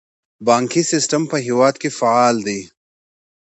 بانکي سیستم په هیواد کې فعال دی